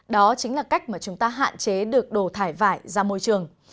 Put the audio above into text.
đó chính là cách mà chúng ta hạn chế được đổ thải vải ra môi trường